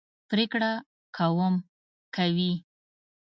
پرېکړه کوم کوي.